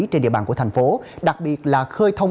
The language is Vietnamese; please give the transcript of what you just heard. trên địa bàn của thành phố đặc biệt là khơi thông